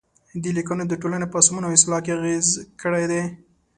دې لیکنو د ټولنې په سمون او اصلاح کې اغیزه کړې ده.